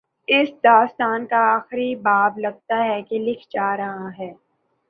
اس داستان کا آخری باب، لگتا ہے کہ لکھا جا رہا ہے۔